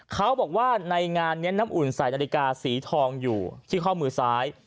เขาบอกว่าในงานนี้น้ำอุ่นใส่นาฬิกาสีทองอยู่ที่ข้อมือซ้าย